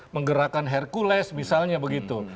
menggerakkan hercules misalnya begitu